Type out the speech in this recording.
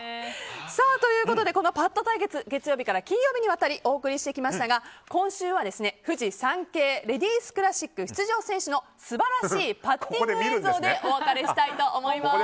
ということで、このパット対決月曜日から金曜日にわたりお送りしてきましたが、今週はフジサンケイレディスクラシック出場選手の素晴らしいパッティング映像でお別れしたいと思います。